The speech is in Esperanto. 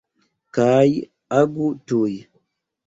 Kaj agu tuj.